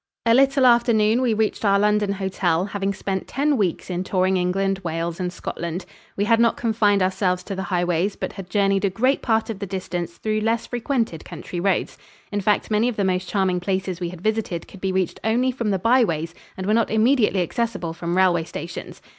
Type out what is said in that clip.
A little after noon we reached our London hotel, having spent ten weeks in touring England, Wales and Scotland. We had not confined ourselves to the highways, but had journeyed a great part of the distance through less frequented country roads. In fact, many of the most charming places we had visited could be reached only from the byways and were not immediately accessible from railway stations.